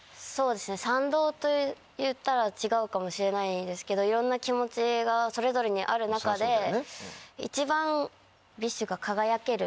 そうですね賛同といったら違うかもしれないですけどいろんな気持ちがそれぞれにある中で。